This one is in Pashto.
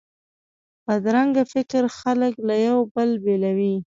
بدرنګه فکر خلک له یو بل بیلوي